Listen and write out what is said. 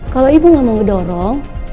kalau ibu gak mau mendorong